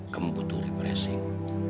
kamu butuh repressing